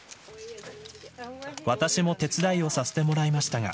私も手伝いをさせてもらいましたが。